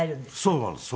そうなんです。